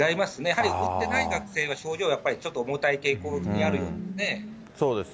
やはり打ってない学生が症状はやっぱり重たい傾向にあるようです